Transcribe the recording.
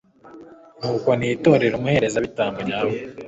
nuko nitorere umuherezabitambo nyawe